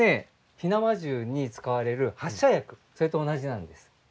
火縄銃に使われる発射薬それと同じなんです。